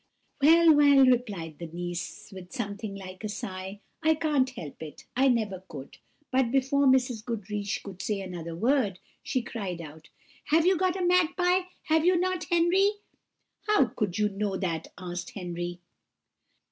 "Well, well," replied the niece, with something like a sigh, "I can't help it I never could;" but before Mrs. Goodriche could say another word, she cried out, "You have got a magpie have you not, Henry?" "How could you know that?" asked Henry.